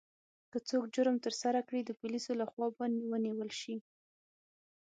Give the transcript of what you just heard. که څوک جرم ترسره کړي، د پولیسو لخوا به ونیول شي.